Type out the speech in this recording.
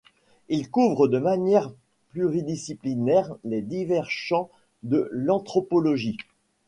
Ils couvrent, de manière pluridisciplinaire, les divers champs de l’anthropologie.